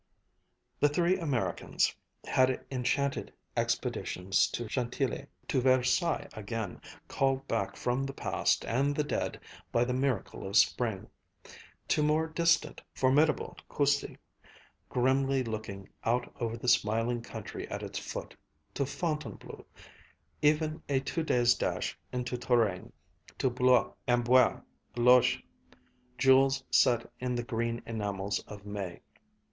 The three Americans had enchanted expeditions to Chantilly, to Versailles again, called back from the past and the dead by the miracle of spring; to more distant formidable Coucy, grimly looking out over the smiling country at its foot, to Fontainebleau, even a two days' dash into Touraine, to Blois, Amboise, Loches, jewels set in the green enamels of May